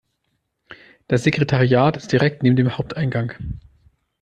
Das Sekretariat ist direkt neben dem Haupteingang.